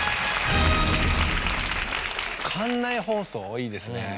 館内放送いいですね。